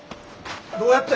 どうやって？